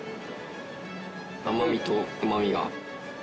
甘みとうまみが。